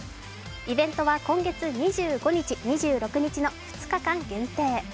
イベントは今月２５日、２６日の２日間限定。